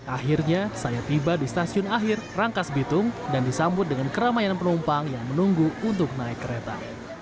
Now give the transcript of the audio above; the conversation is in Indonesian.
akhirnya saya tiba di stasiun akhir rangkas bitung dan disambut dengan keramaian penumpang yang menunggu untuk naik kereta